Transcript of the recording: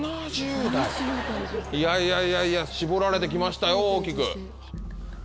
いやいやいやいや絞られて来ましたよ大きく。